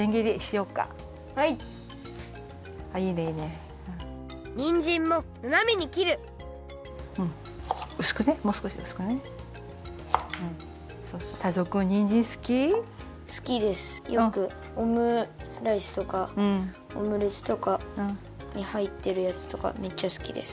よくオムライスとかオムレツとかにはいってるやつとかめっちゃすきです。